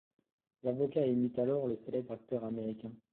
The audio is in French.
L'avocat imite alors le célèbre acteur américain.